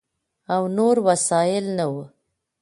او نور وسایل نه ؤ،